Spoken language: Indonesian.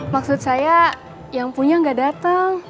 maksud saya yang punya gak dateng